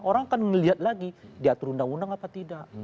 orang akan melihat lagi diatur undang undang apa tidak